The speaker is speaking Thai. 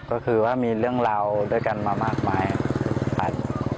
ก็คือว่ามีเรื่องราวด้วยกันมามากมายครับ